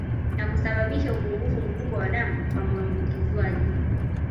Na kusababisha upungufu mkubwa wa damu kwa muambukizwaji